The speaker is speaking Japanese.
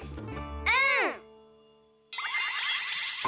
うん！